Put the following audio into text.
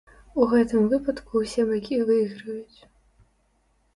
У гэтым выпадку ўсе бакі выйграюць.